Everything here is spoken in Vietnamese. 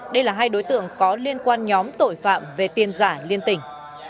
đây là hai đối tượng có liên quan nhóm tội phạm về tiền giả liên tỉnh